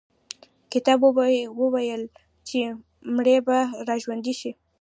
کتاب وویل چې مړي به را ژوندي شي.